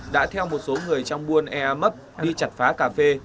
đã theo một số người trong buôn ea mấp đi chặt phá cà phê